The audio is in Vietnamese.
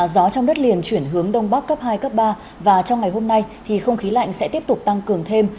gió trong đất liền chuyển hướng đông bắc cấp hai cấp ba và trong ngày hôm nay thì không khí lạnh sẽ tiếp tục tăng cường thêm